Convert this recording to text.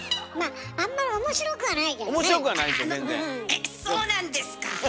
えっそうなんですか？